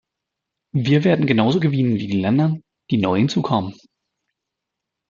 Wir werden genauso gewinnen wie die Länder, die neu hinzukommen.